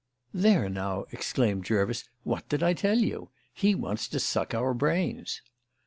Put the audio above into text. "There now," exclaimed Jervis, "what did I tell you? He wants to suck our brains."